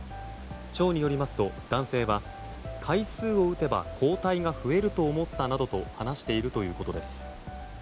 町によりますと男性は、回数を打てば抗体が増えると思ったなどと話しているということです。